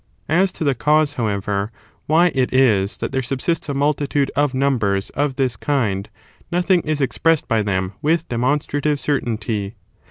As to the cause, however, why it is that there subsists a multitude of numbers^ of this kind, nothing is expressed by them with demonstrative certainty.